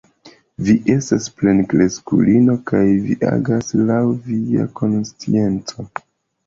Vi estas plenkreskulino kaj vi agas laŭ via konscienco.